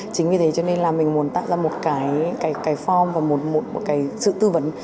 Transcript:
chính vì thế cho nên là mình muốn tạo ra một cái form và một cái sự tư vấn